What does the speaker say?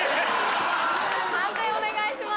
判定お願いします。